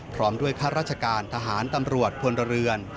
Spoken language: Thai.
พร้อมด้วยข้าราชการทหารตำรวจพลเรือน